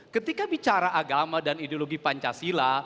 ketika bicara agama dan ideologi pancasila